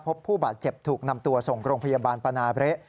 พบผู้บาดเจ็บถูกนำตัวส่งโรงพยาบาลปนาเละ